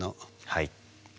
はい。